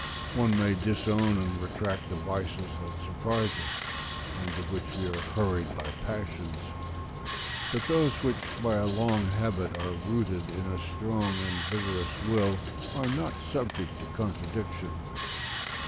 One may disown and retract the vices that surprise us, and to which we are hurried by passions; but those which by a long habit are rooted in a strong and vigorous will are not subject to contradiction.